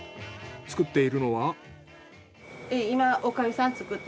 作っているのは。お粥。